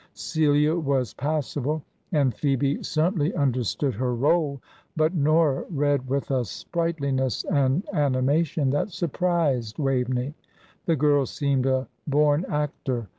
Celia was passable, and Phoebe certainly understood her rôle; but Nora read with a sprightliness and animation that surprised Waveney. The girl seemed a born actor.